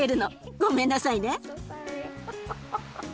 ごめんなさいね。